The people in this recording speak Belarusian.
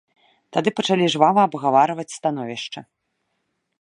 Тады пачалі жвава абгаварваць становішча.